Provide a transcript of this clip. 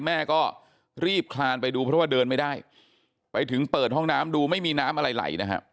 แม่ก็รีบคลานไปดูเพราะว่าเดินไม่ได้ไปถึงเปิดห้องน้ำดูไม่มีน้ำอะไรไหลนะฮะ